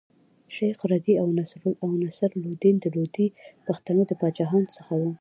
شېخ رضي او نصر لودي د لودي پښتنو د پاچاهانو څخه ول.